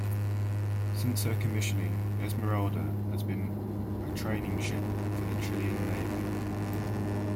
Since her commissioning, "Esmeralda" has been a training ship for the Chilean Navy.